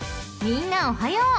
［みんなおはよう。